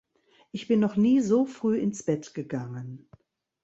Ich bin noch nie so früh ins Bett gegangen.